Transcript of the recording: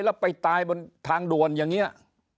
แล้วไปตายบนทางด่วนอย่างนี้